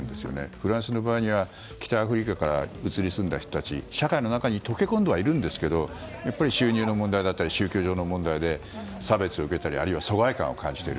フランスの場合は北アフリカから移り住んだ人たち社会の中に溶け込んではいるんですがやっぱり収入の問題や宗教上の問題で差別を受けたりあるいは疎外感を感じている。